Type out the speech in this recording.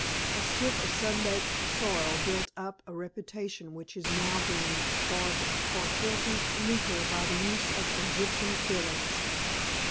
A strip of sun baked soil built up a reputation which is now being bartered for filthy lucre by the use of Egyptian 'fillings.